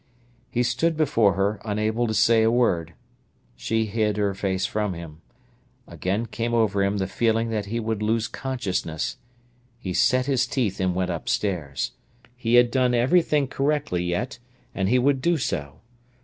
He stood before her, unable to say a word. She hid her face from him. Again came over him the feeling that he would lose consciousness. He set his teeth and went upstairs. He had done everything correctly yet, and he would do so.